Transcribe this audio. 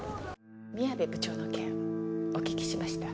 宮部部長の件お聞きしました。